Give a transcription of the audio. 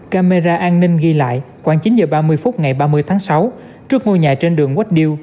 camera an ninh ghi lại khoảng chín h ba mươi phút ngày ba mươi tháng sáu trước ngôi nhà trên đường whiew